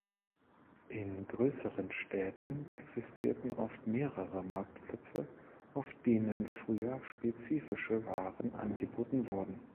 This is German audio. In größeren Städten existierten oft mehrere Marktplätze, auf denen früher spezifische Waren angeboten wurden.